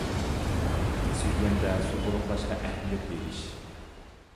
ئىچ سۈرگەندە سۇ تولۇقلاشقا ئەھمىيەت بېرىش.